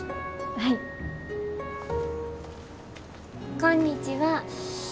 こんにちは。シッ。